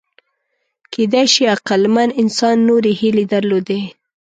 کېدای شي عقلمن انسان نورې هیلې درلودې.